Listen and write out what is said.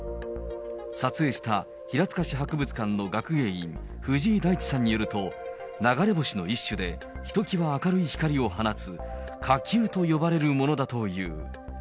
撮影した平塚市博物館の学芸員、藤井大地さんによると、流れ星の一種で、ひときわ明るい光を放つ火球と呼ばれるものだという。